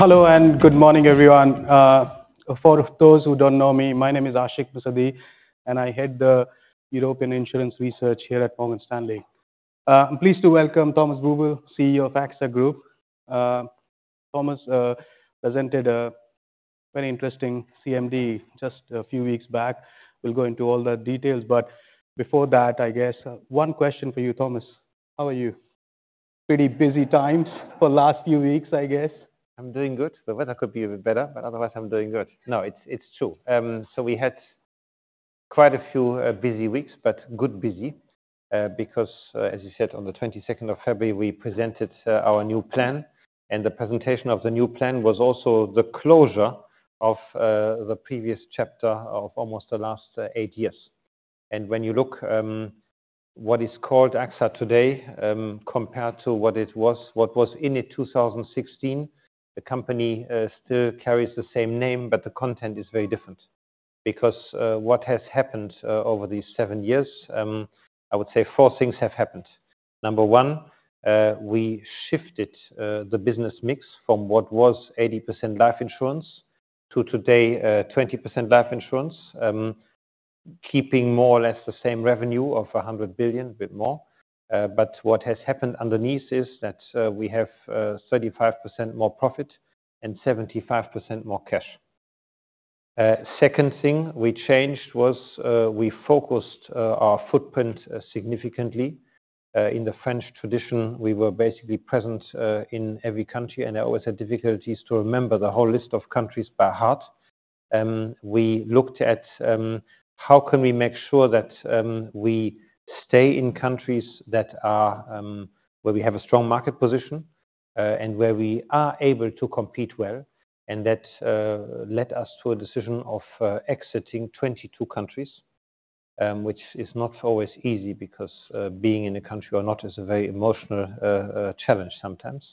Hello and good morning, everyone. For those who don't know me, my name is Ashik Musaddi, and I head the European Insurance Research here at Morgan Stanley. I'm pleased to welcome Thomas Buberl, CEO of AXA Group. Thomas presented a very interesting CMD just a few weeks back. We'll go into all the details, but before that, I guess, one question for you, Thomas. How are you? Pretty busy times for the last few weeks, I guess. I'm doing good. The weather could be a bit better, but otherwise I'm doing good. No, it's true. So we had quite a few busy weeks, but good busy, because, as you said, on the 22nd of February we presented our new plan, and the presentation of the new plan was also the closure of the previous chapter of almost the last eight years. And when you look what is called AXA today, compared to what it was in 2016, the company still carries the same name, but the content is very different. Because what has happened over these seven years, I would say four things have happened. Number one, we shifted the business mix from what was 80% life insurance to today 20% life insurance, keeping more or less the same revenue of 100 billion, a bit more. But what has happened underneath is that we have 35% more profit and 75% more cash. Second thing we changed was we focused our footprint significantly. In the French tradition we were basically present in every country, and I always had difficulties to remember the whole list of countries by heart. We looked at how can we make sure that we stay in countries that are where we have a strong market position, and where we are able to compete well, and that led us to a decision of exiting 22 countries, which is not always easy because being in a country or not is a very emotional challenge sometimes.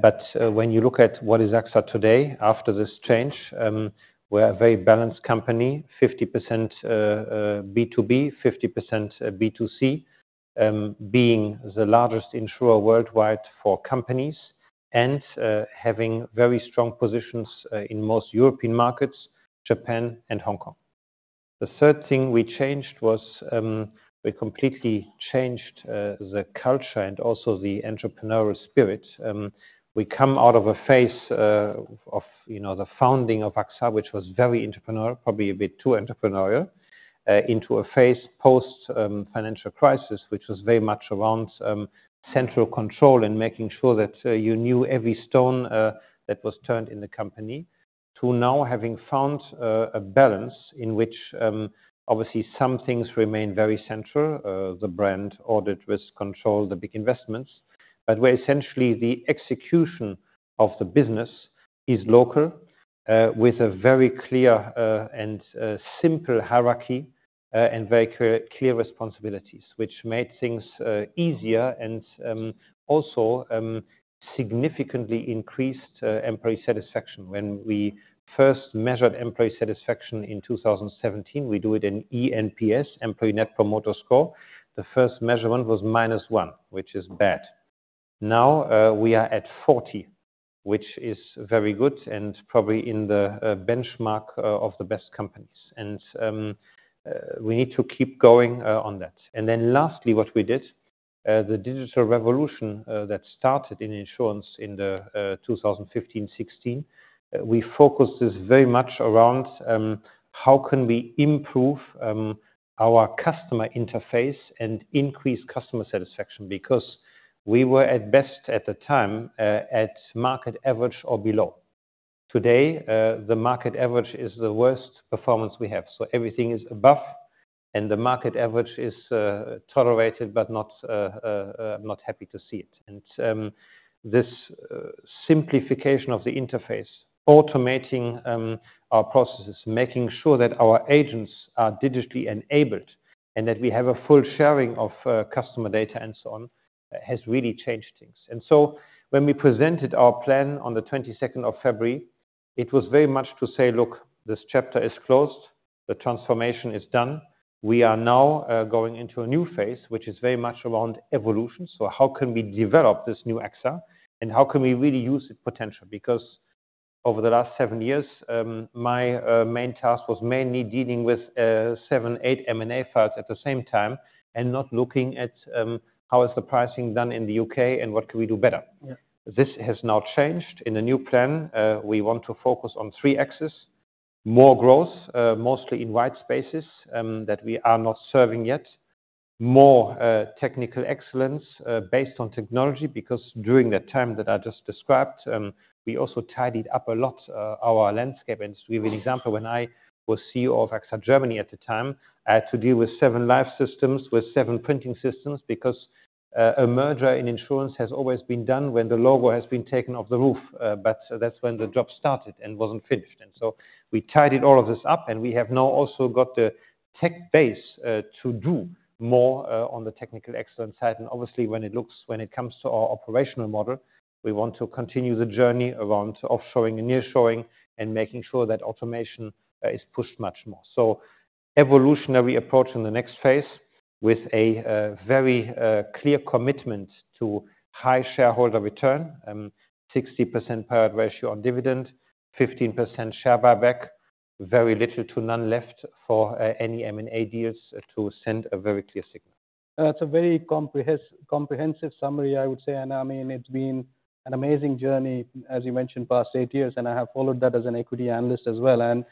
but, when you look at what is AXA today after this change, we're a very balanced company, 50% B2B, 50% B2C, being the largest insurer worldwide for companies and, having very strong positions, in most European markets, Japan and Hong Kong. The third thing we changed was, we completely changed, the culture and also the entrepreneurial spirit. We come out of a phase, of, you know, the founding of AXA, which was very entrepreneurial, probably a bit too entrepreneurial, into a phase post, financial crisis, which was very much around, central control and making sure that, you knew every stone, that was turned in the company, to now having found, a balance in which, obviously some things remain very central, the brand, audit, risk control, the big investments, but where essentially the execution of the business is local, with a very clear, and, simple hierarchy, and very clear responsibilities, which made things, easier and, also, significantly increased, employee satisfaction. When we first measured employee satisfaction in 2017, we do it in eNPS, Employee Net Promoter Score. The first measurement was -1, which is bad. Now, we are at 40, which is very good and probably in the, benchmark, of the best companies. We need to keep going on that. And then lastly what we did, the digital revolution that started in insurance in the 2015-2016, we focused this very much around how can we improve our customer interface and increase customer satisfaction because we were at best at the time at market average or below. Today, the market average is the worst performance we have. So everything is above, and the market average is tolerated but not. I'm not happy to see it. And this simplification of the interface, automating our processes, making sure that our agents are digitally enabled and that we have a full sharing of customer data and so on, has really changed things. And so when we presented our plan on the 22nd of February, it was very much to say, "Look, this chapter is closed. The transformation is done. We are now going into a new phase, which is very much around evolution. So how can we develop this new AXA and how can we really use its potential? Because over the last seven years, my main task was mainly dealing with seven to eight M&A files at the same time and not looking at how is the pricing done in the U.K. and what can we do better. Yeah. This has now changed. In the new plan, we want to focus on three axes: more growth, mostly in white spaces that we are not serving yet; more technical excellence, based on technology because during that time that I just described, we also tidied up a lot our landscape. To give you an example, when I was CEO of AXA Germany at the time, I had to deal with seven life systems, with seven printing systems because a merger in insurance has always been done when the logo has been taken off the roof, but that's when the job started and wasn't finished. So we tidied all of this up, and we have now also got the tech base to do more on the technical excellence side. And obviously when it comes to our operational model, we want to continue the journey around offshoring and nearshoring and making sure that automation is pushed much more. So evolutionary approach in the next phase with a very clear commitment to high shareholder return, 60% payout ratio on dividend, 15% share buyback, very little to none left for any M&A deals to send a very clear signal. It's a very comprehensive summary, I would say. And I mean, it's been an amazing journey, as you mentioned, past eight years, and I have followed that as an equity analyst as well. And,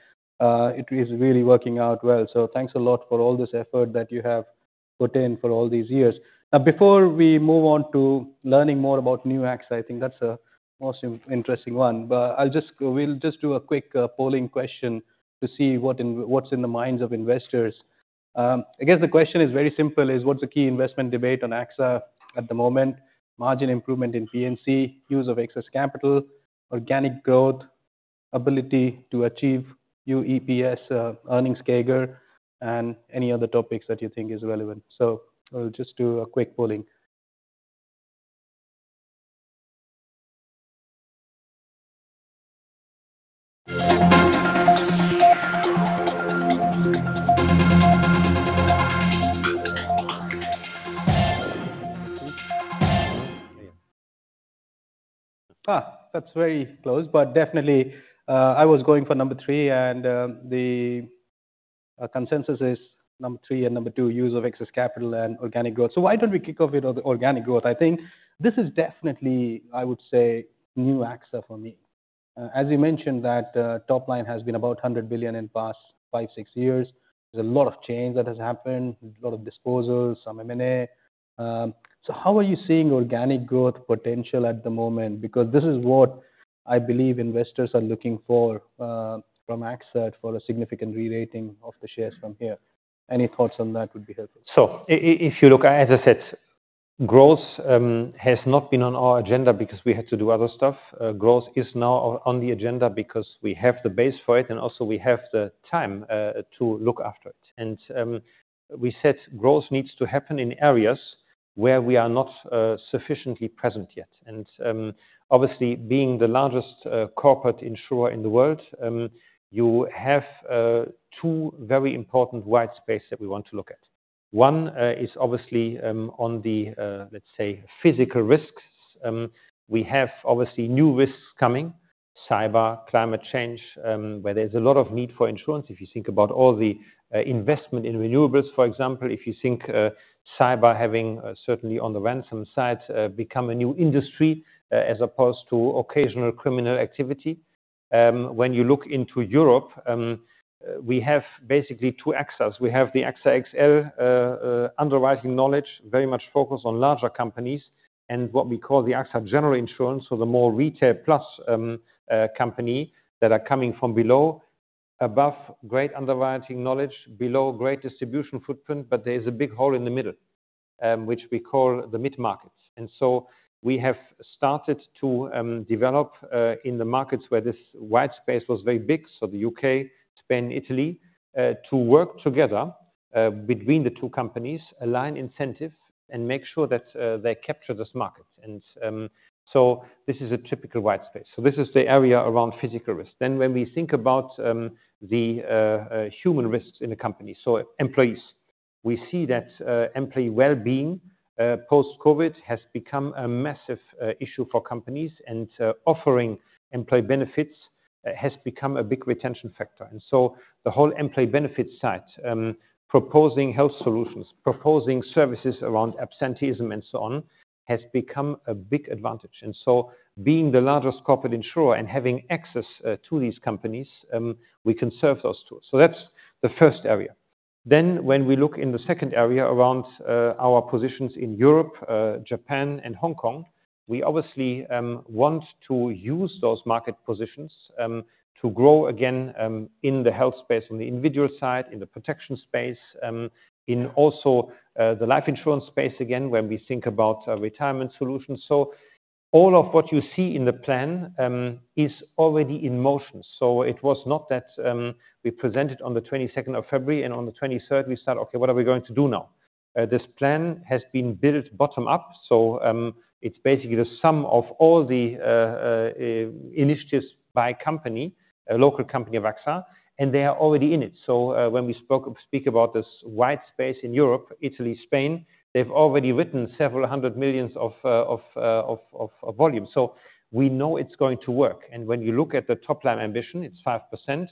it is really working out well. So thanks a lot for all this effort that you have put in for all these years. Now, before we move on to learning more about new AXA, I think that's a most interesting one. But I'll just go we'll just do a quick, polling question to see what's in the minds of investors. I guess the question is very simple: what's the key investment debate on AXA at the moment? Margin improvement in P&C, use of excess capital, organic growth, ability to achieve UEPS, earnings CAGR, and any other topics that you think is relevant. So we'll just do a quick polling. That's very close. But definitely, I was going for number 3, and the consensus is number 3 and number 2, use of excess capital and organic growth. So why don't we kick off with the organic growth? I think this is definitely, I would say, new AXA for me. As you mentioned, that top line has been about 100 billion in the past five to six years. There's a lot of change that has happened, a lot of disposal, some M&A. So how are you seeing organic growth potential at the moment? Because this is what I believe investors are looking for, from AXA for a significant rerating of the shares from here. Any thoughts on that would be helpful. So if you look, as I said, growth has not been on our agenda because we had to do other stuff. Growth is now on the agenda because we have the base for it, and also we have the time to look after it. And we said growth needs to happen in areas where we are not sufficiently present yet. And obviously being the largest corporate insurer in the world, you have two very important white spaces that we want to look at. One is obviously on the, let's say, physical risks. We have obviously new risks coming: cyber, climate change, where there's a lot of need for insurance. If you think about all the investment in renewables, for example, if you think cyber having certainly on the ransom side become a new industry, as opposed to occasional criminal activity. When you look into Europe, we have basically two AXAs. We have the AXA XL underwriting knowledge, very much focused on larger companies, and what we call the AXA General Insurance, so the more retail-plus company that are coming from below. Above, great underwriting knowledge. Below, great distribution footprint, but there is a big hole in the middle, which we call the mid-markets. And so we have started to develop in the markets where this white space was very big, so the U.K., Spain, Italy, to work together between the two companies, align incentives, and make sure that they capture this market. And so this is a typical white space. So this is the area around physical risk. Then when we think about the human risks in a company, so employees, we see that employee well-being post-COVID has become a massive issue for companies, and offering employee benefits has become a big retention factor. And so the whole employee benefits side, proposing health solutions, proposing services around absenteeism and so on, has become a big advantage. And so being the largest corporate insurer and having access to these companies, we can serve those two. So that's the first area. Then when we look in the second area around our positions in Europe, Japan and Hong Kong, we obviously want to use those market positions to grow again in the health space on the individual side, in the protection space, in also the life insurance space again when we think about retirement solutions. So all of what you see in the plan is already in motion. So it was not that we presented on the 22nd of February and on the 23rd we start, "Okay, what are we going to do now?" This plan has been built bottom up. So, it's basically the sum of all the initiatives by company, a local company of AXA, and they are already in it. So, when we speak about this white space in Europe, Italy, Spain, they've already written several hundred million EUR of volume. So we know it's going to work. And when you look at the top line ambition, it's 5%.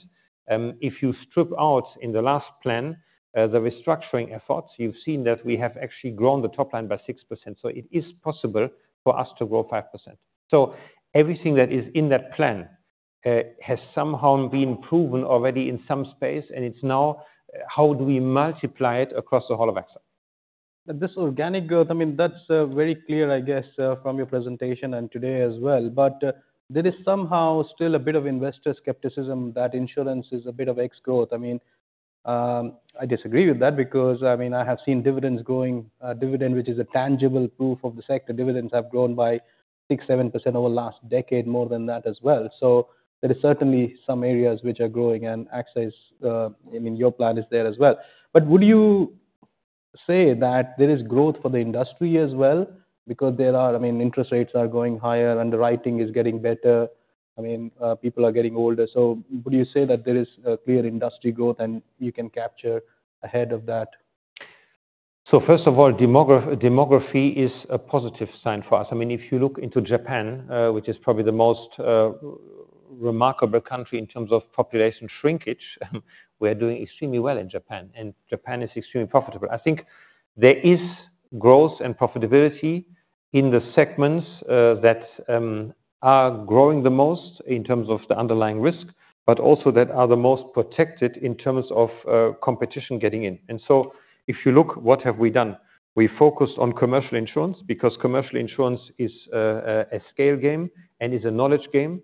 If you strip out in the last plan, the restructuring efforts, you've seen that we have actually grown the top line by 6%. So it is possible for us to grow 5%. So everything that is in that plan has somehow been proven already in some space, and it's now how do we multiply it across the whole of AXA? Now this organic growth, I mean, that's very clear, I guess, from your presentation and today as well. But there is somehow still a bit of investor skepticism that insurance is a bit of ex-growth. I mean, I disagree with that because, I mean, I have seen dividends growing, dividend which is a tangible proof of the sector. Dividends have grown by 6%-7% over the last decade, more than that as well. So there are certainly some areas which are growing, and AXA is, I mean, your plan is there as well. But would you say that there is growth for the industry as well because there are, I mean, interest rates are going higher, underwriting is getting better, I mean, people are getting older? So would you say that there is clear industry growth and you can capture ahead of that? So first of all, demography is a positive sign for us. I mean, if you look into Japan, which is probably the most remarkable country in terms of population shrinkage, we are doing extremely well in Japan, and Japan is extremely profitable. I think there is growth and profitability in the segments that are growing the most in terms of the underlying risk, but also that are the most protected in terms of competition getting in. And so if you look, what have we done? We focused on commercial insurance because commercial insurance is a scale game and is a knowledge game,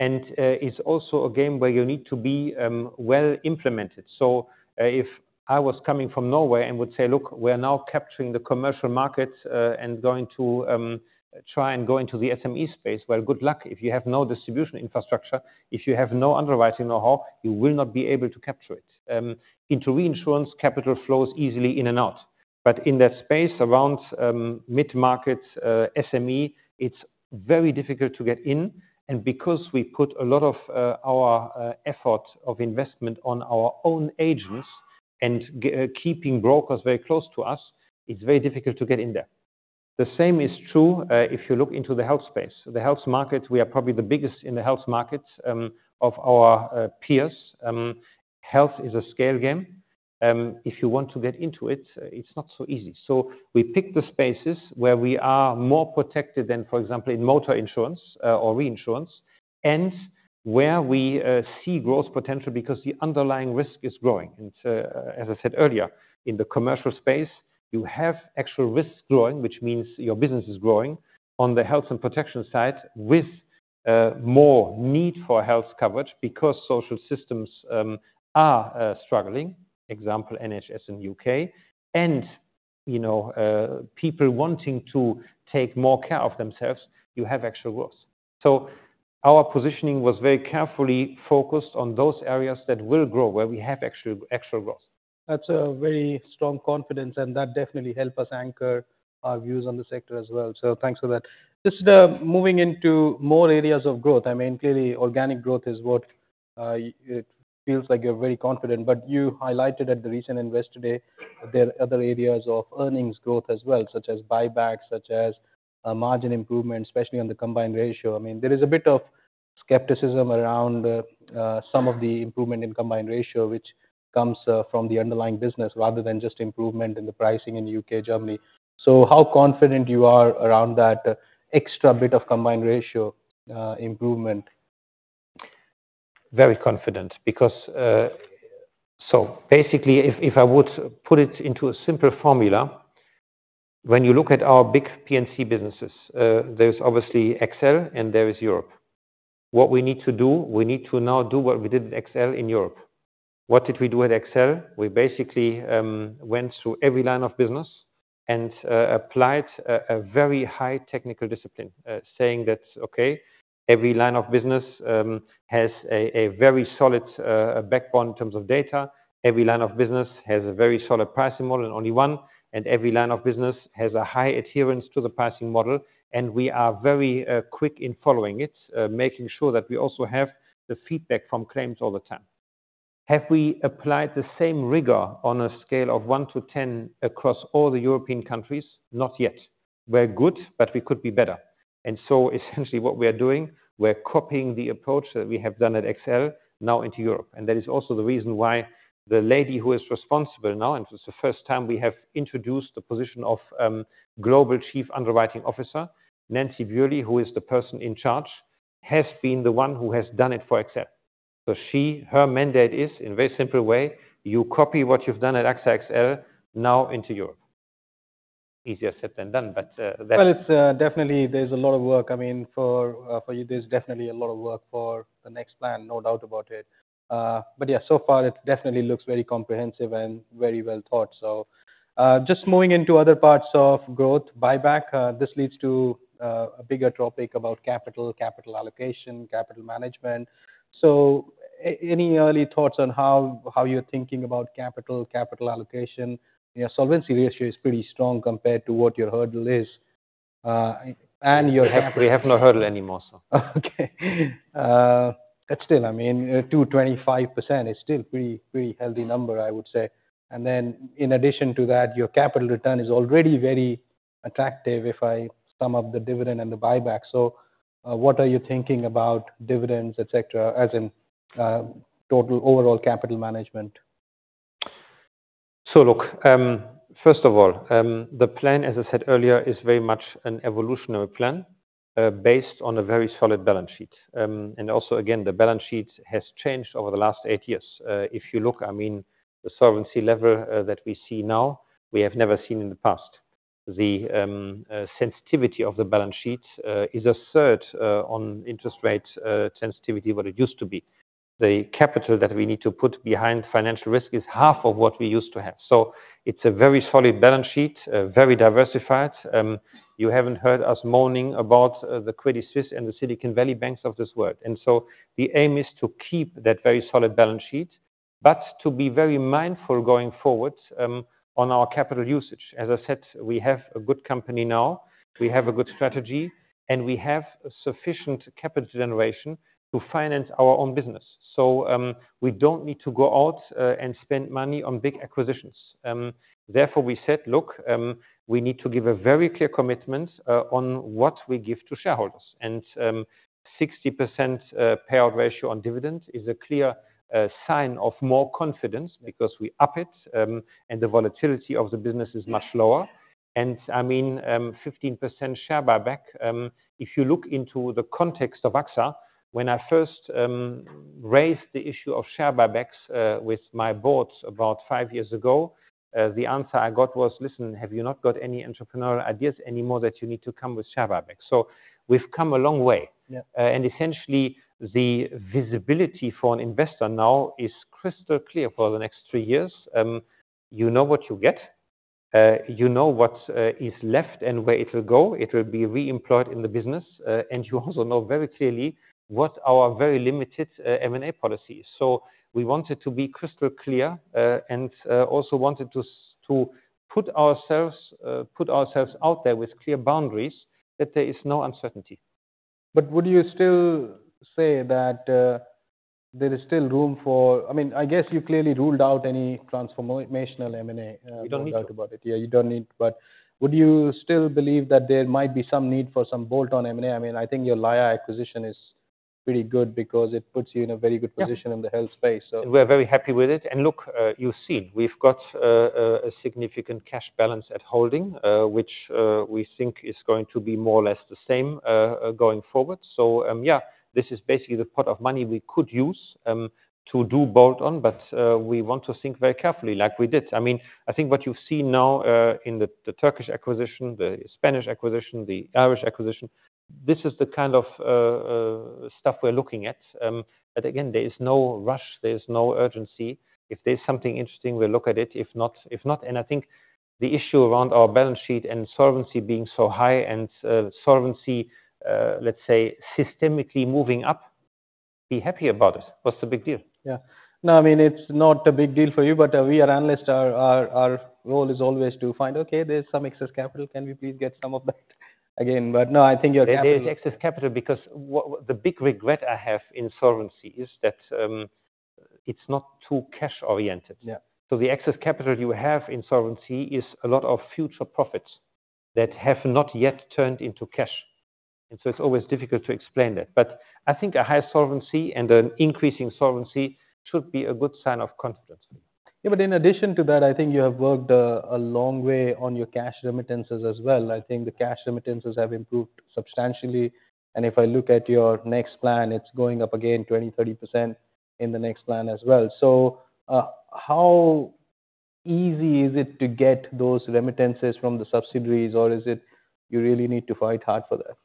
and is also a game where you need to be well implemented. So, if I was coming from Norway and would say, "Look, we are now capturing the commercial markets, and going to try and go into the SME space," well, good luck. If you have no distribution infrastructure, if you have no underwriting know-how, you will not be able to capture it into reinsurance, capital flows easily in and out. But in that space around mid-market, SME, it's very difficult to get in. And because we put a lot of our effort of investment on our own agents and keeping brokers very close to us, it's very difficult to get in there. The same is true if you look into the health space. The health market, we are probably the biggest in the health markets of our peers. Health is a scale game. If you want to get into it, it's not so easy. So we pick the spaces where we are more protected than, for example, in motor insurance or reinsurance, and where we see growth potential because the underlying risk is growing. As I said earlier, in the commercial space, you have actual risk growing, which means your business is growing on the health and protection side with more need for health coverage because social systems are struggling, example, NHS in the U.K., and, you know, people wanting to take more care of themselves, you have actual growth. So our positioning was very carefully focused on those areas that will grow where we have actual, actual growth. That's a very strong confidence, and that definitely helped us anchor our views on the sector as well. So thanks for that. Just moving into more areas of growth, I mean, clearly organic growth is what it feels like you're very confident. But you highlighted at the recent Investor Day there are other areas of earnings growth as well, such as buybacks, such as margin improvement, especially on the Combined Ratio. I mean, there is a bit of skepticism around some of the improvement in Combined Ratio, which comes from the underlying business rather than just improvement in the pricing in the U.K., Germany. So how confident you are around that extra bit of Combined Ratio improvement? Very confident because, so basically, if I would put it into a simple formula, when you look at our big P&C businesses, there's obviously XL and there is Europe. What we need to do, we need to now do what we did at XL in Europe. What did we do at XL? We basically went through every line of business and applied a very high technical discipline, saying that, "Okay, every line of business has a very solid backbone in terms of data. Every line of business has a very solid pricing model in only one. And every line of business has a high adherence to the pricing model. And we are very quick in following it, making sure that we also have the feedback from claims all the time." Have we applied the same rigor on a scale of one to 10 across all the European countries? Not yet. We're good, but we could be better. And so essentially what we are doing, we're copying the approach that we have done at XL now into Europe. And that is also the reason why the lady who is responsible now, and it's the first time we have introduced the position of Global Chief Underwriting Officer, Nancy Bewlay, who is the person in charge, has been the one who has done it for XL. So she, her mandate is in a very simple way, you copy what you've done at AXA XL now into Europe. Easier said than done, but that. Well, it's definitely there's a lot of work. I mean, for you, there's definitely a lot of work for the next plan, no doubt about it. But yeah, so far it definitely looks very comprehensive and very well thought. So, just moving into other parts of growth, buyback, this leads to a bigger topic about capital, capital allocation, capital management. So any early thoughts on how you're thinking about capital, capital allocation? Your solvency ratio is pretty strong compared to what your hurdle is, and your. We have no hurdle anymore, so. Okay. But still, I mean, 2.25% is still a pretty, pretty healthy number, I would say. And then in addition to that, your capital return is already very attractive if I sum up the dividend and the buyback. So, what are you thinking about dividends, etc., as in, total overall capital management? So look, first of all, the plan, as I said earlier, is very much an evolutionary plan, based on a very solid balance sheet. And also again, the balance sheet has changed over the last eight years. If you look, I mean, the solvency level that we see now, we have never seen in the past. The sensitivity of the balance sheet is a third on interest rate sensitivity what it used to be. The capital that we need to put behind financial risk is half of what we used to have. So it's a very solid balance sheet, very diversified. You haven't heard us moaning about the Credit Suisse and the Silicon Valley banks of this world. And so the aim is to keep that very solid balance sheet, but to be very mindful going forward on our capital usage. As I said, we have a good company now, we have a good strategy, and we have sufficient capital generation to finance our own business. So, we don't need to go out and spend money on big acquisitions. Therefore, we said, "Look, we need to give a very clear commitment on what we give to shareholders." And 60% payout ratio on dividend is a clear sign of more confidence because we up it, and the volatility of the business is much lower. And I mean, 15% share buyback, if you look into the context of AXA, when I first raised the issue of share buybacks with my board about five years ago, the answer I got was, "Listen, have you not got any entrepreneurial ideas anymore that you need to come with share buybacks?" So we've come a long way. Yeah. Essentially the visibility for an investor now is crystal clear for the next three years. You know what you get. You know what is left and where it will go. It will be reemployed in the business, and you also know very clearly what our very limited M&A policy is. So we wanted to be crystal clear, and also wanted to put ourselves out there with clear boundaries that there is no uncertainty. But would you still say that there is still room for, I mean, I guess you clearly ruled out any transformational M&A without? You don't need to. Talk about it. Yeah, you don't need, but would you still believe that there might be some need for some bolt-on M&A? I mean, I think your Laya acquisition is pretty good because it puts you in a very good position in the health space, so. We are very happy with it. Look, you've seen we've got a significant cash balance at holding, which we think is going to be more or less the same going forward. So, yeah, this is basically the pot of money we could use to do bolt-on, but we want to think very carefully like we did. I mean, I think what you've seen now in the Turkish acquisition, the Spanish acquisition, the Irish acquisition, this is the kind of stuff we're looking at. But again, there is no rush, there is no urgency. If there's something interesting, we'll look at it. If not, if not, and I think the issue around our balance sheet and solvency being so high and solvency, let's say, systemically moving up, be happy about it. What's the big deal? Yeah. No, I mean, it's not a big deal for you, but we are analysts. Our role is always to find, "Okay, there's some excess capital. Can we please get some of that again?" But no, I think your capital. There is excess capital because what the big regret I have in solvency is that, it's not too cash-oriented. Yeah. So the excess capital you have in solvency is a lot of future profits that have not yet turned into cash. And so it's always difficult to explain that. But I think a high solvency and an increasing solvency should be a good sign of confidence for you. Yeah, but in addition to that, I think you have worked a long way on your cash remittances as well. I think the cash remittances have improved substantially. And if I look at your next plan, it's going up again 20%-30% in the next plan as well. So, how easy is it to get those remittances from the subsidiaries, or is it you really need to fight hard for that?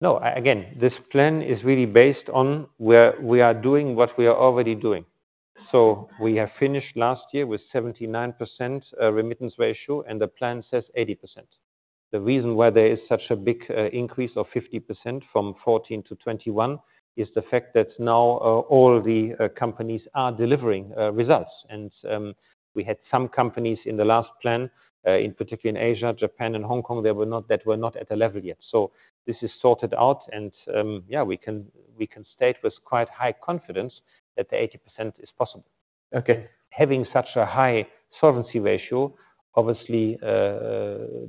No, again, this plan is really based on where we are doing what we are already doing. So we have finished last year with 79% remittance ratio, and the plan says 80%. The reason why there is such a big increase of 50% from 14 to 21 is the fact that now all the companies are delivering results. We had some companies in the last plan, in particular in Asia, Japan, and Hong Kong, there were not that were not at a level yet. So this is sorted out, and yeah, we can state with quite high confidence that the 80% is possible. Okay. Having such a high solvency ratio, obviously,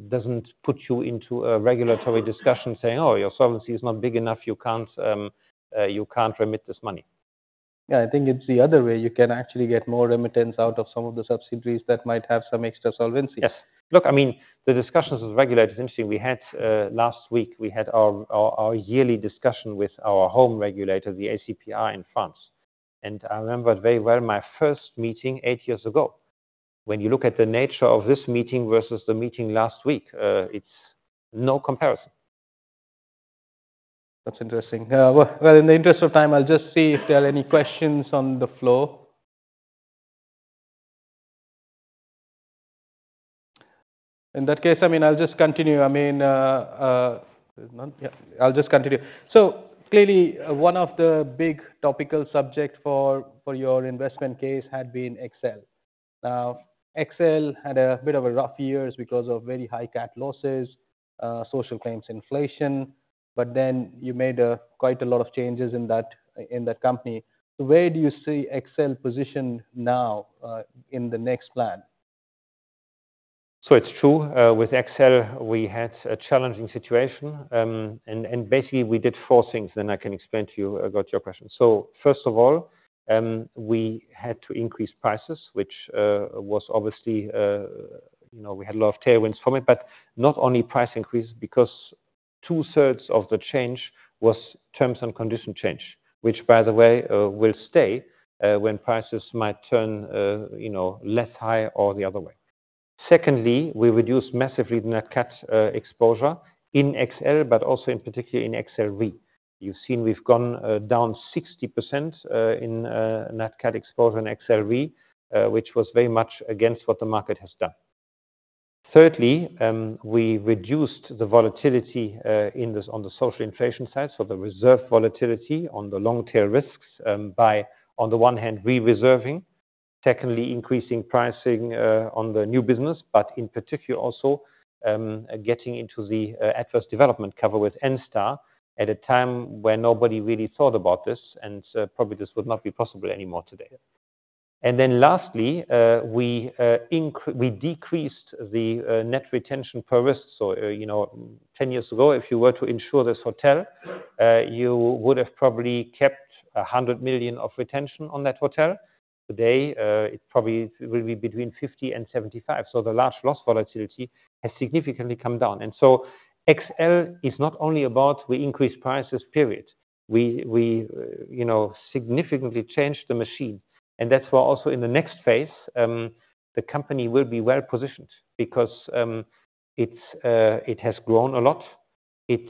doesn't put you into a regulatory discussion saying, "Oh, your solvency is not big enough. You can't, you can't remit this money. Yeah, I think it's the other way. You can actually get more remittance out of some of the subsidiaries that might have some extra solvency. Yes. Look, I mean, the discussions with regulators is interesting. We had, last week, our yearly discussion with our home regulator, the ACPR in France. And I remember very well my first meeting eight years ago. When you look at the nature of this meeting versus the meeting last week, it's no comparison. That's interesting. Well, in the interest of time, I'll just see if there are any questions on the floor. In that case, I mean, I'll just continue. I mean, yeah, I'll just continue. So clearly, one of the big topical subjects for, for your investment case had been AXA XL. Now, AXA XL had a bit of a rough year because of very high CAT losses, social claims inflation, but then you made quite a lot of changes in that, in that company. So where do you see AXA XL positioned now, in the next plan? So it's true. With AXA XL, we had a challenging situation, and and basically we did four things. Then I can explain to you about your question. So first of all, we had to increase prices, which was obviously, you know, we had a lot of tailwinds from it, but not only price increase because two-thirds of the change was terms and conditions change, which, by the way, will stay when prices might turn, you know, less high or the other way. Secondly, we reduced massively the net CAT exposure in AXA XL, but also in particular in AXA XL Re. You've seen we've gone down 60% in net CAT exposure in AXA XL Re, which was very much against what the market has done. Thirdly, we reduced the volatility in this on the social inflation side for the reserve volatility on the long-tail risks by, on the one hand, re-reserving, secondly, increasing pricing on the new business, but in particular also getting into the adverse development cover with Enstar at a time where nobody really thought about this, and probably this would not be possible anymore today. And then lastly, we decreased the net retention per risk. So, you know, 10 years ago, if you were to insure this hotel, you would have probably kept $100 million of retention on that hotel. Today, it probably will be between $50 million and $75 million. So the large loss volatility has significantly come down. And so AXA XL is not only about we increased prices, period. We, you know, significantly changed the machine. That's why also in the next phase, the company will be well positioned because it has grown a lot. It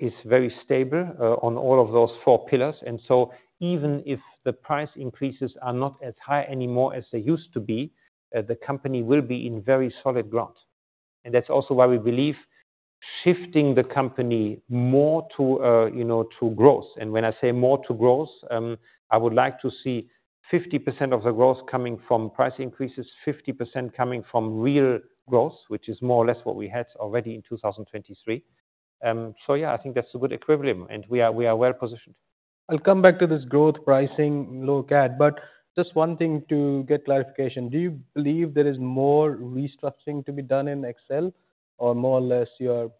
is very stable on all of those four pillars. So even if the price increases are not as high anymore as they used to be, the company will be in very solid ground. That's also why we believe shifting the company more to, you know, to growth. And when I say more to growth, I would like to see 50% of the growth coming from price increases, 50% coming from real growth, which is more or less what we had already in 2023. So yeah, I think that's a good equivalent, and we are well positioned. I'll come back to this growth pricing low CAT, but just one thing to get clarification. Do you believe there is more restructuring to be done in AXA XL, or more or less you're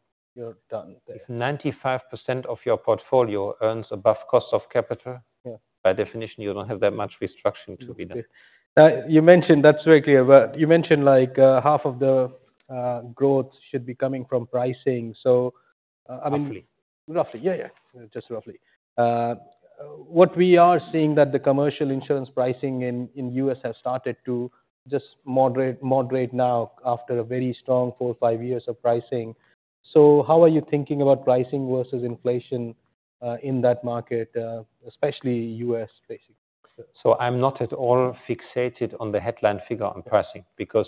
done there? If 95% of your portfolio earns above cost of capital. Yeah. By definition, you don't have that much restructuring to be done. Okay. Now, you mentioned that's very clear, but you mentioned like, half of the, growth should be coming from pricing. So, I mean. Roughly. Roughly, yeah, yeah. Just roughly. What we are seeing is that the commercial insurance pricing in the U.S. has started to just moderate now after a very strong 4-5 years of pricing. So how are you thinking about pricing versus inflation in that market, especially U.S., basically? So I'm not at all fixated on the headline figure on pricing because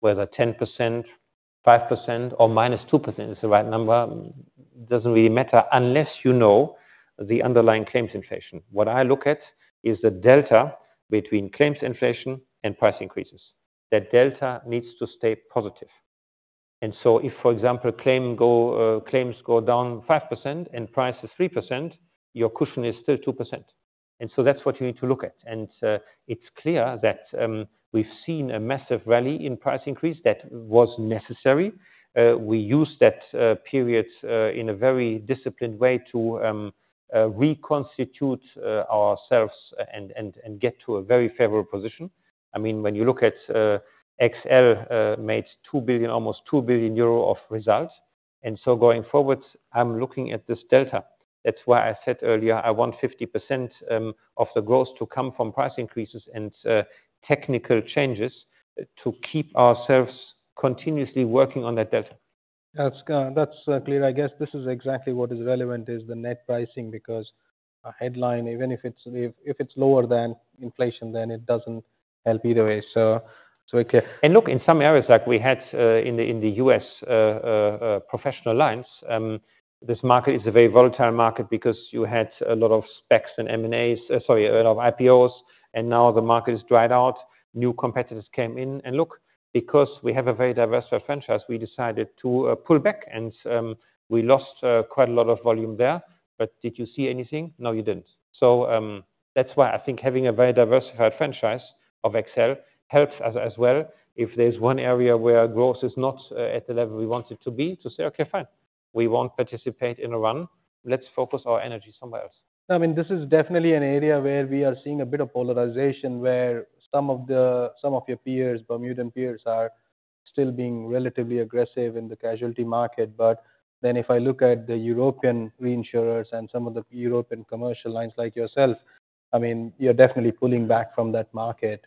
whether 10%, 5%, or -2% is the right number doesn't really matter unless you know the underlying claims inflation. What I look at is the delta between claims inflation and price increases. That delta needs to stay positive. And so if, for example, claims go down 5% and price is 3%, your cushion is still 2%. And so that's what you need to look at. And it's clear that we've seen a massive rally in price increase that was necessary. We used that period in a very disciplined way to reconstitute ourselves and get to a very favorable position. I mean, when you look at AXA XL, it made almost 2 billion euro of results. And so going forward, I'm looking at this delta. That's why I said earlier I want 50% of the growth to come from price increases and technical changes to keep ourselves continuously working on that delta. That's clear. I guess this is exactly what is relevant is the net pricing because a headline, even if it's lower than inflation, then it doesn't help either way. So very clear. Look, in some areas like we had in the US professional lines, this market is a very volatile market because you had a lot of SPACs and M&As, sorry, a lot of IPOs, and now the market is dried out. New competitors came in. Look, because we have a very diversified franchise, we decided to pull back, and we lost quite a lot of volume there. But did you see anything? No, you didn't. So, that's why I think having a very diversified franchise of XL helps as well if there's one area where growth is not at the level we want it to be to say, "Okay, fine. We won't participate in a run. Let's focus our energy somewhere else. No, I mean, this is definitely an area where we are seeing a bit of polarization where some of your peers, Bermudan peers, are still being relatively aggressive in the casualty market. But then if I look at the European reinsurers and some of the European commercial lines like yourself, I mean, you're definitely pulling back from that market.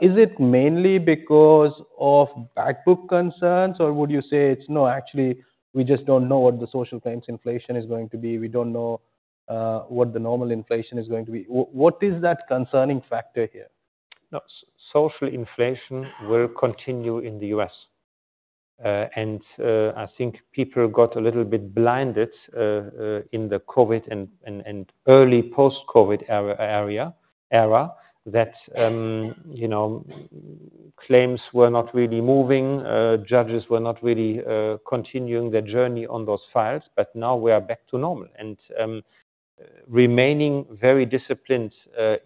Is it mainly because of backbook concerns, or would you say it's, "No, actually, we just don't know what the social claims inflation is going to be. We don't know what the normal inflation is going to be"? What is that concerning factor here? No, social inflation will continue in the U.S. And I think people got a little bit blinded in the COVID and early post-COVID era that, you know, claims were not really moving, judges were not really continuing their journey on those files. But now we are back to normal and remaining very disciplined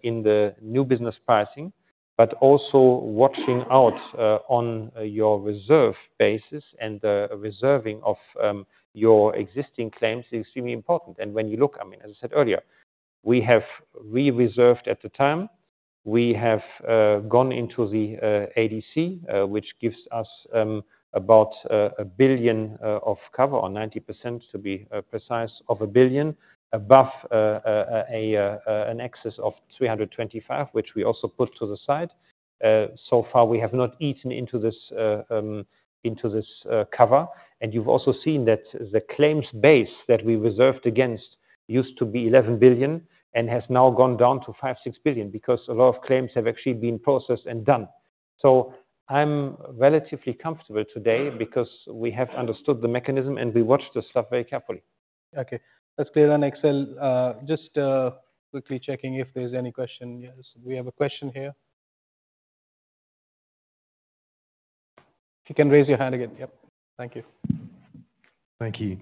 in the new business pricing, but also watching out on your reserve basis and the reserving of your existing claims is extremely important. And when you look, I mean, as I said earlier, we have re-reserved at the time. We have gone into the ADC, which gives us about $1 billion of cover or 90% to be precise of $1 billion above an excess of $325 million, which we also put to the side. So far we have not eaten into this cover. You've also seen that the claims base that we reserved against used to be 11 billion and has now gone down to 5-6 billion because a lot of claims have actually been processed and done. I'm relatively comfortable today because we have understood the mechanism and we watched this stuff very carefully. Okay. That's clear on AXA XL. Just, quickly checking if there's any question. Yes, we have a question here. You can raise your hand again. Yep. Thank you. Thank you.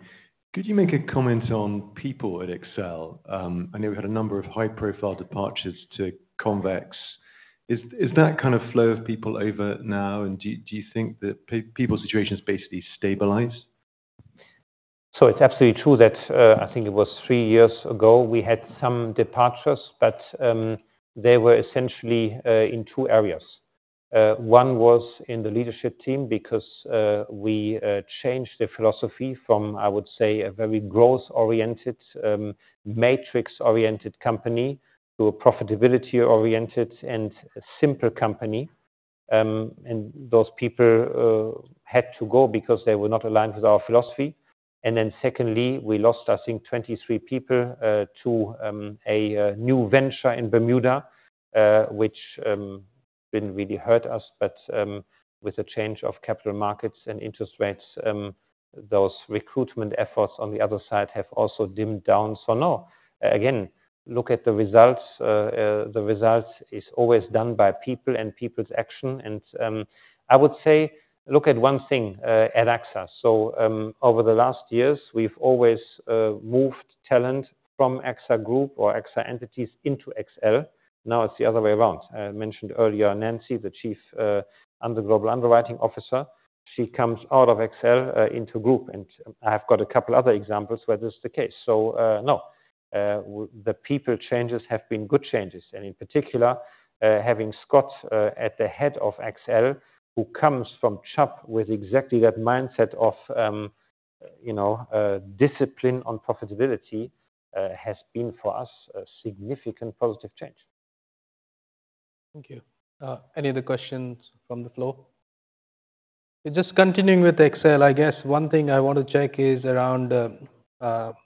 Could you make a comment on people at XL? I know we had a number of high-profile departures to Convex. Is that kind of flow of people over now? And do you think that people's situation's basically stabilized? So it's absolutely true that, I think it was 3 years ago we had some departures, but they were essentially in two areas. One was in the leadership team because we changed the philosophy from, I would say, a very growth-oriented, matrix-oriented company to a profitability-oriented and simple company. And those people had to go because they were not aligned with our philosophy. And then secondly, we lost, I think, 23 people to a new venture in Bermuda, which didn't really hurt us. But with the change of capital markets and interest rates, those recruitment efforts on the other side have also dimmed down. So no, again, look at the results. The results is always done by people and people's action. And I would say look at one thing, at AXA. So over the last years, we've always moved talent from AXA Group or AXA entities into AXA XL. Now it's the other way around. I mentioned earlier Nancy, the Chief Underwriting Officer. She comes out of AXA XL, into Group. And I have got a couple other examples where this is the case. So, now the people changes have been good changes. And in particular, having Scott at the head of AXA XL, who comes from Chubb with exactly that mindset of, you know, discipline on profitability, has been for us a significant positive change. Thank you. Any other questions from the floor? Just continuing with AXA XL, I guess one thing I want to check is around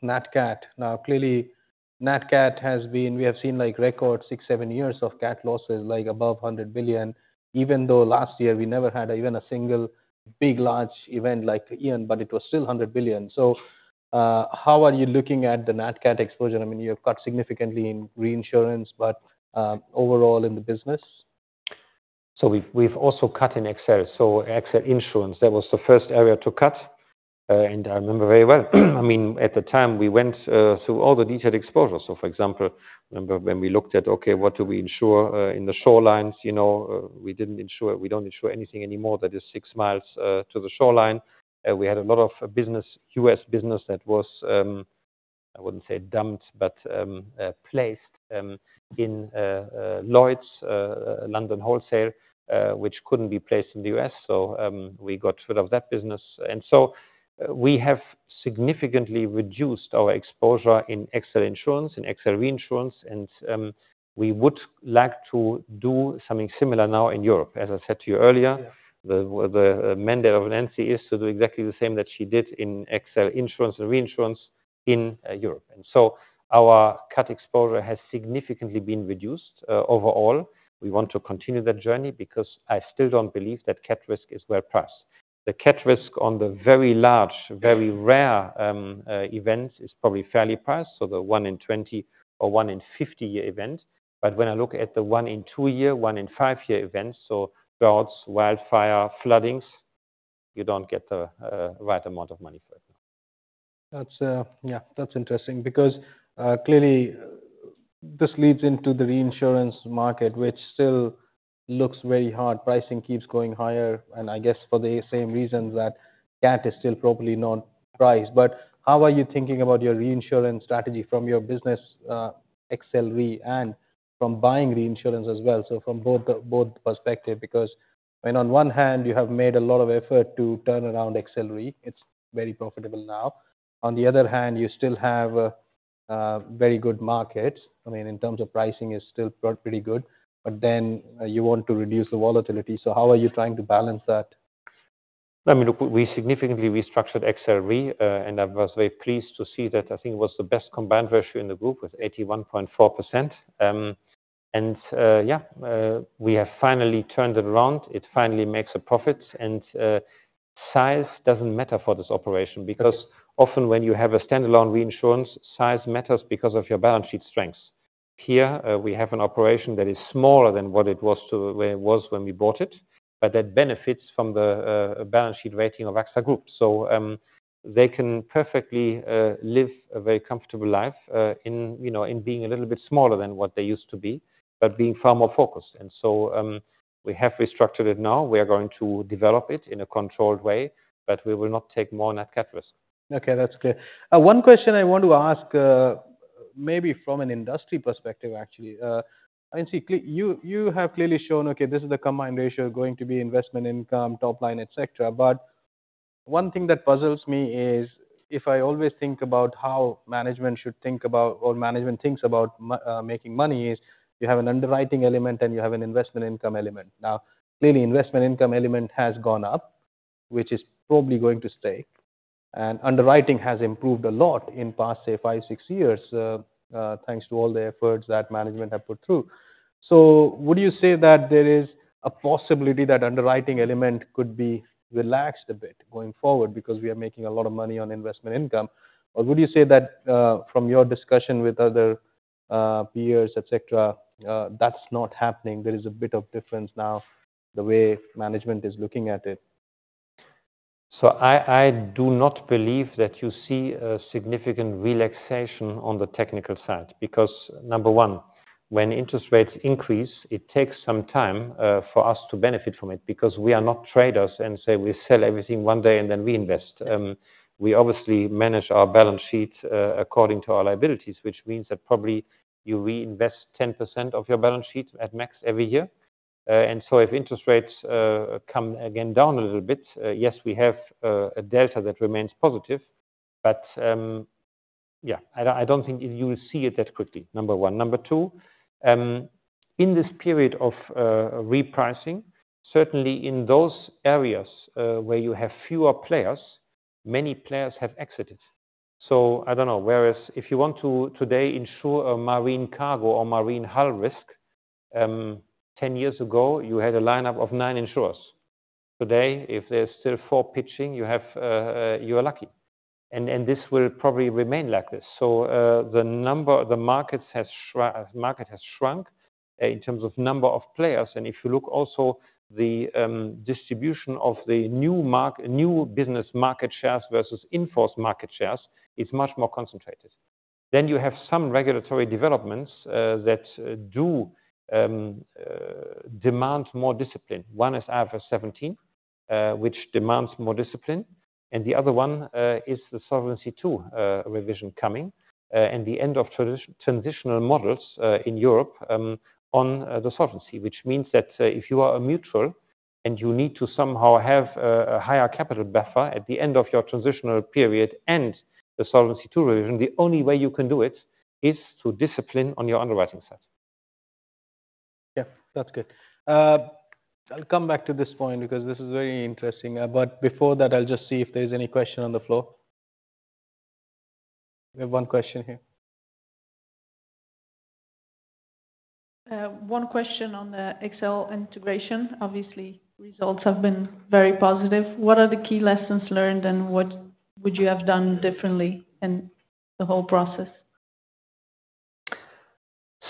net CAT. Now, clearly, net CAT has been we have seen like record six, seven years of CAT losses, like above $100 billion, even though last year we never had even a single big large event like Ian, but it was still $100 billion. So, how are you looking at the net CAT exposure? I mean, you have cut significantly in reinsurance, but overall in the business? So we've also cut in XL. So XL insurance, that was the first area to cut, and I remember very well. I mean, at the time, we went through all the detailed exposures. So, for example, remember when we looked at, "Okay, what do we insure in the shorelines?" You know, we didn't insure; we don't insure anything anymore that is six miles to the shoreline. We had a lot of business, U.S. business that was, I wouldn't say dumped, but placed in Lloyd's London wholesale, which couldn't be placed in the U.S. So, we got rid of that business. And so we have significantly reduced our exposure in XL insurance, in XL reinsurance. And we would like to do something similar now in Europe. As I said to you earlier. Yeah. The mandate of Nancy is to do exactly the same that she did in XL insurance and reinsurance in Europe. And so our CAT exposure has significantly been reduced, overall. We want to continue that journey because I still don't believe that CAT risk is well priced. The CAT risk on the very large, very rare, events is probably fairly priced, so the one in 20 or one in 50-year event. But when I look at the one in 2-year, one in 5-year events, so droughts, wildfire, floodings, you don't get the right amount of money for it now. That's, yeah, that's interesting because, clearly, this leads into the reinsurance market, which still looks very hard. Pricing keeps going higher, and I guess for the same reasons that CAT is still properly not priced. But how are you thinking about your reinsurance strategy from your business, XL Re and from buying reinsurance as well? So from both the both perspective, because when on one hand you have made a lot of effort to turn around XL Re, it's very profitable now. On the other hand, you still have a, very good market. I mean, in terms of pricing, it's still pretty good. But then, you want to reduce the volatility. So how are you trying to balance that? I mean, look, we significantly restructured XL Re, and I was very pleased to see that. I think it was the best combined ratio in the group with 81.4%. And, yeah, we have finally turned it around. It finally makes a profit. And, size doesn't matter for this operation because often when you have a standalone reinsurance, size matters because of your balance sheet strengths. Here, we have an operation that is smaller than what it was to where it was when we bought it, but that benefits from the balance sheet rating of AXA Group. So, they can perfectly live a very comfortable life, you know, in being a little bit smaller than what they used to be but being far more focused. And so, we have restructured it now. We are going to develop it in a controlled way, but we will not take more net CAT risk. Okay. That's clear. One question I want to ask, maybe from an industry perspective, actually. Nancy, clearly you have shown, okay, this is the Combined Ratio going to be investment income, top line, etc. But one thing that puzzles me is if I always think about how management should think about or management thinks about making money is you have an underwriting element and you have an investment income element. Now, clearly, investment income element has gone up, which is probably going to stay. And underwriting has improved a lot in past, say, five, six years, thanks to all the efforts that management have put through. So would you say that there is a possibility that underwriting element could be relaxed a bit going forward because we are making a lot of money on investment income? Or would you say that, from your discussion with other peers, etc., that's not happening? There is a bit of difference now the way management is looking at it. So I do not believe that you see a significant relaxation on the technical side because, number one, when interest rates increase, it takes some time for us to benefit from it because we are not traders and say we sell everything one day and then reinvest. We obviously manage our balance sheet according to our liabilities, which means that probably you reinvest 10% of your balance sheet at max every year. And so if interest rates come again down a little bit, yes, we have a delta that remains positive. But yeah, I don't think you'll see it that quickly, number one. Number two, in this period of repricing, certainly in those areas where you have fewer players, many players have exited. So I don't know. Whereas if you want to today insure a marine cargo or marine hull risk, 10 years ago, you had a lineup of 9 insurers. Today, if there's still 4 pitching, you have, you're lucky. And this will probably remain like this. So, the market has shrunk in terms of number of players. And if you look also at the distribution of the new marine business market shares versus in-force market shares, it's much more concentrated. Then you have some regulatory developments that do demand more discipline. One is IFRS 17, which demands more discipline. And the other one is the Solvency II revision coming, and the end of traditional transitional models in Europe on the Solvency, which means that if you are a mutual and you need to somehow have a higher capital buffer at the end of your transitional period and the Solvency II revision, the only way you can do it is to discipline on your underwriting side. Yep. That's good. I'll come back to this point because this is very interesting. But before that, I'll just see if there's any question on the floor. We have one question here. One question on the XL integration. Obviously, results have been very positive. What are the key lessons learned, and what would you have done differently in the whole process?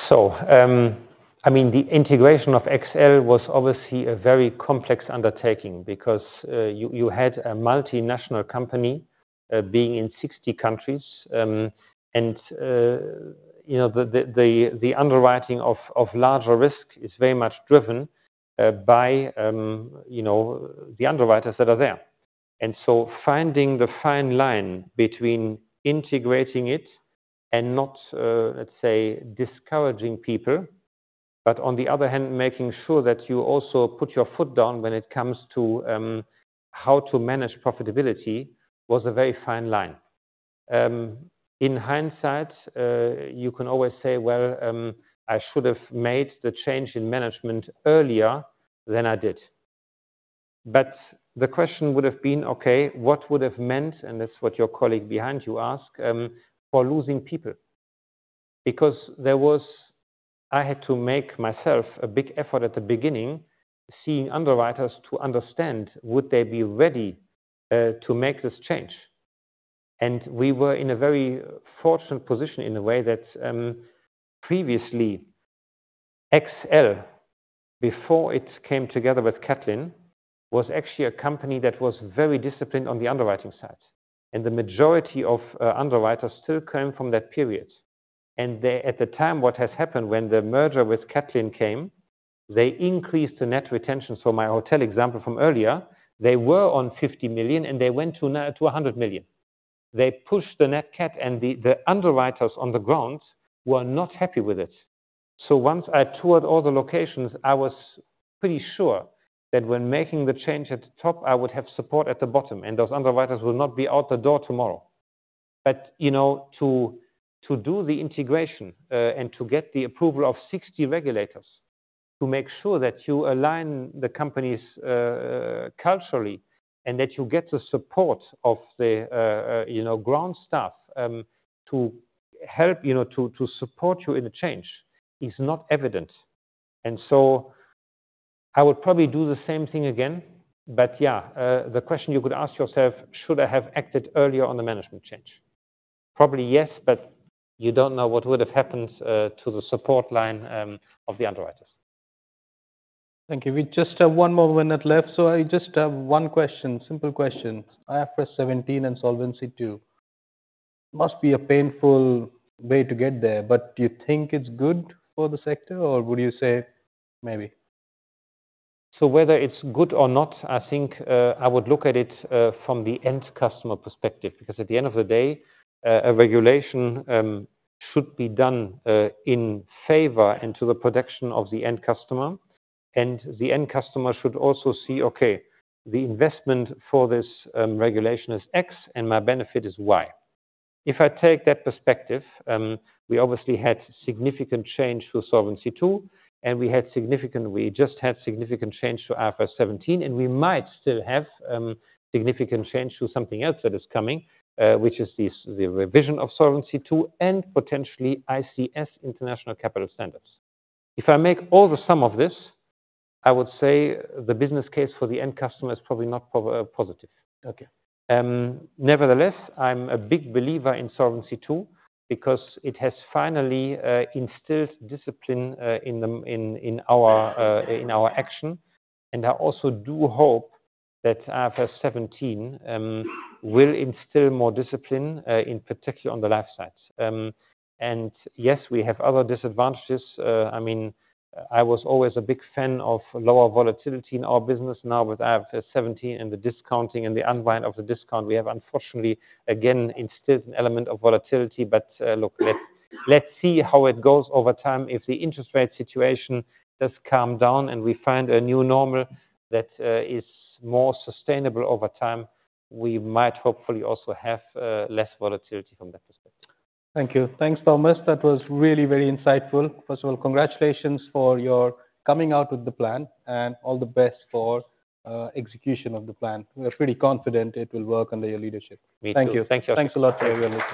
So, I mean, the integration of XL was obviously a very complex undertaking because you had a multinational company, being in 60 countries. And you know, the underwriting of larger risk is very much driven by you know the underwriters that are there. And so finding the fine line between integrating it and not, let's say, discouraging people, but on the other hand, making sure that you also put your foot down when it comes to how to manage profitability was a very fine line. In hindsight, you can always say, "Well, I should have made the change in management earlier than I did." But the question would have been, "Okay, what would have meant?" And that's what your colleague behind you asked, for losing people because there was, I had to make myself a big effort at the beginning seeing underwriters to understand would they be ready, to make this change. And we were in a very fortunate position in a way that, previously, XL, before it came together with Catlin, was actually a company that was very disciplined on the underwriting side. And the majority of, underwriters still came from that period. And they at the time, what has happened when the merger with Catlin came, they increased the net retention. So my hotel example from earlier, they were on $50 million, and they went to $90 million-$100 million. They pushed the net CAT, and the underwriters on the ground were not happy with it. So once I toured all the locations, I was pretty sure that when making the change at the top, I would have support at the bottom, and those underwriters will not be out the door tomorrow. But, you know, to do the integration, and to get the approval of 60 regulators to make sure that you align the companies, culturally and that you get the support of the, you know, ground staff, to help, you know, to support you in the change is not evident. And so I would probably do the same thing again. But yeah, the question you could ask yourself, should I have acted earlier on the management change? Probably yes, but you don't know what would have happened, to the support line, of the underwriters. Thank you. We just have one more minute left. So I just have one question, simple question. IFRS 17 and Solvency II. Must be a painful way to get there, but you think it's good for the sector, or would you say maybe? So whether it's good or not, I think I would look at it from the end customer perspective because at the end of the day, a regulation should be done in favor and to the protection of the end customer. And the end customer should also see, "Okay, the investment for this regulation is X, and my benefit is Y." If I take that perspective, we obviously had significant change through Solvency II, and we just had significant change through IFRS 17, and we might still have significant change through something else that is coming, which is the revision of Solvency II and potentially ICS, International Capital Standards. If I make all the sum of this, I would say the business case for the end customer is probably not positive. Okay. Nevertheless, I'm a big believer in Solvency II because it has finally instilled discipline in our action. And I also do hope that IFRS 17 will instill more discipline, in particular on the life side. Yes, we have other disadvantages. I mean, I was always a big fan of lower volatility in our business. Now with IFRS 17 and the discounting and the unwind of the discount, we have unfortunately again instilled an element of volatility. But look, let's see how it goes over time. If the interest rate situation does calm down and we find a new normal that is more sustainable over time, we might hopefully also have less volatility from that perspective. Thank you. Thanks, Thomas. That was really, very insightful. First of all, congratulations for your coming out with the plan and all the best for execution of the plan. We are pretty confident it will work under your leadership. Me too. Thank you. Thank you. Thanks a lot for your.